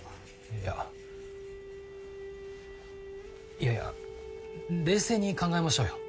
いやいやいや冷静に考えましょうよ。